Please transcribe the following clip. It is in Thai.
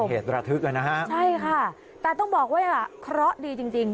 นี่เป็นเหตุระทึกนะครับใช่ค่ะแต่ต้องบอกว่าเคราะดีจริง